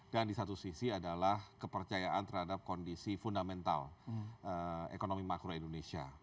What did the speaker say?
dan di satu sisi adalah kepercayaan terhadap kondisi fundamental ekonomi makro indonesia